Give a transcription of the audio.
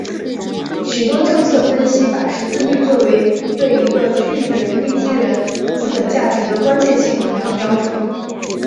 许多政策分析把识字率作为对一个区域的人力资本价值的关键性衡量标准。